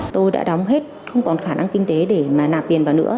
tôi đã đóng hết không còn khả năng kinh tế để mà nạp tiền vào nữa